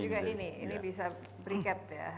dan juga ini ini bisa berikat ya